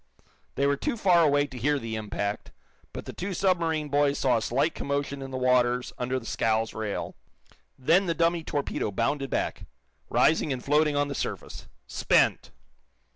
They were too far away to hear the impact, but the two submarine boys saw a slight commotion in the waters under the scow's rail. Then the dummy torpedo bounded back, rising and floating on the surface spent!